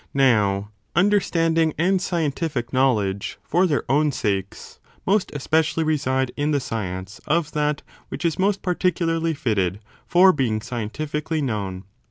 Now, under standing and scientific knowledge, for their own sakes, most especially reside in the science of that which is most par ticularly fitted for being scientifically known.